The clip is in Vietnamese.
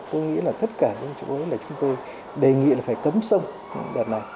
tôi nghĩ là tất cả những chỗ ấy là chúng tôi đề nghị là phải cấm sông đợt này